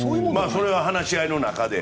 それは話し合いの中で。